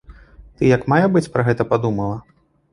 Ты як мае быць пра гэта падумала?